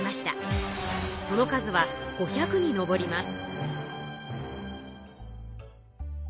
その数は５００に上ります。